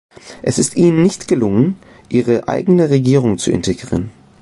Es ist Ihnen nicht gelungen, Ihre eigene Regierung zu integrieren.